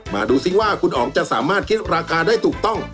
มาดูซิว่าคุณอ๋องจะสามารถคิดราคาได้ถูกต้อง